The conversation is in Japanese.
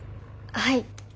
はい。